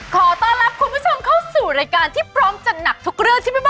ขอต้อนรับคุณผู้ชมเข้าสู่รายการที่พร้อมจัดหนักทุกเรื่องที่แม่บ้าน